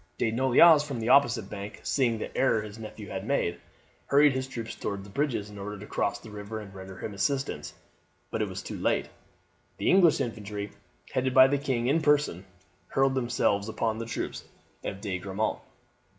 De Noailles, from the opposite bank, seeing the error his nephew had made, hurried his troops towards the bridges in order to cross the river and render him assistance; but it was too late. The English infantry, headed by the king in person, hurled themselves upon the troops of De Grammont.